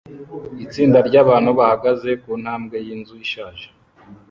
Itsinda ryabantu bahagaze kuntambwe yinzu ishaje